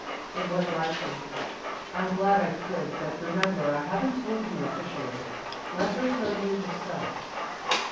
It was like you." "I'm glad I could, but remember, I haven't told you, officially. Let her tell you herself."